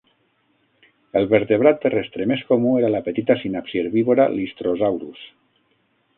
El vertebrat terrestre més comú era la petita sinapsi herbívora "Lystrosaurus".